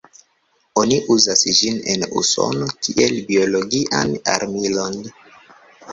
Oni uzas ĝin en Usono kiel biologian armilon.